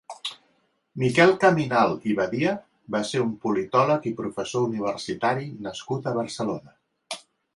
Miquel Caminal i Badia va ser un politòleg i professor universitari nascut a Barcelona.